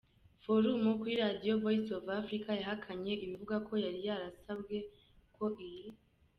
forum kuri radio Voice of Africa yahakanye ibivugwa ko yari yarasabwe ko iyi.